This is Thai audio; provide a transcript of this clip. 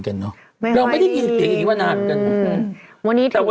ตราบใดที่ตนยังเป็นนายกอยู่